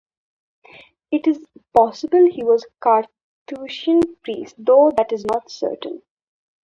It is possible he was a Carthusian priest, though this is not certain.